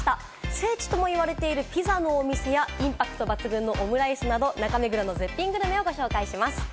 聖地とも言われているピザのお店や、インパクト抜群のオムライスなど、中目黒の絶品グルメをご紹介します。